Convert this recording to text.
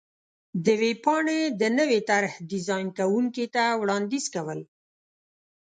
-د ویبپاڼې د نوې طر حې ډېزان کوونکي ته وړاندیز کو ل